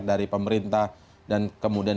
dari pemerintah dan kemudian